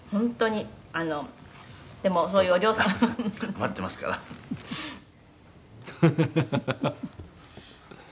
「でもそういうお嬢様」「余ってますから」ハハハハ。